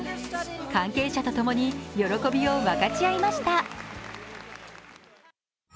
関係者と共に喜びを分かち合いました。